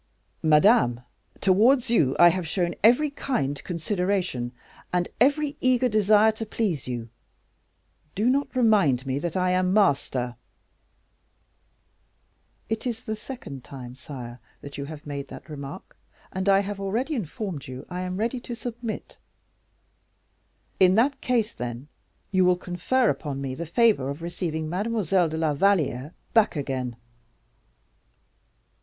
"Madame, towards you I have shown every kind consideration, and every eager desire to please you; do not remind me that I am master." "It is the second time, sire, that you have made that remark, and I have already informed you I am ready to submit." "In that case, then, you will confer upon me the favor of receiving Mademoiselle de la Valliere back again."